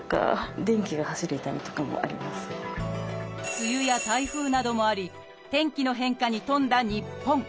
梅雨や台風などもあり天気の変化に富んだ日本。